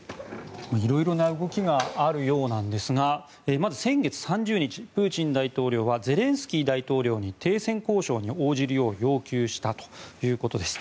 色々な動きがあるようですがまず先月３０日プーチン大統領はゼレンスキー大統領に停戦交渉に応じるよう要求したということです。